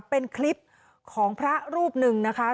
เป็นคลิปของพระรูปหนึ่งนะคะ